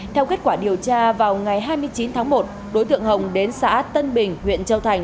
theo kết quả điều tra vào ngày hai mươi chín tháng một đối tượng hồng đến xã tân bình huyện châu thành